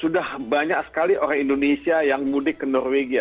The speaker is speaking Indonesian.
sudah banyak sekali orang indonesia yang mudik ke norwegia